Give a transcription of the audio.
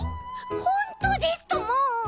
ほんとうですとも！